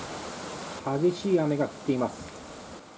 激しい雨が降っています。